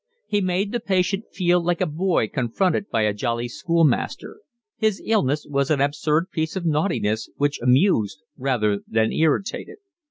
He made the patient feel like a boy confronted by a jolly schoolmaster; his illness was an absurd piece of naughtiness which amused rather than irritated.